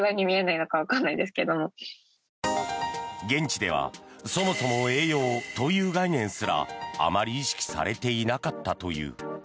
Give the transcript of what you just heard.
現地ではそもそも栄養という概念すらあまり意識されていなかったという。